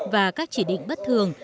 và các chỉ định bất thường